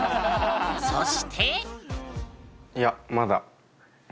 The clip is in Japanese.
そして。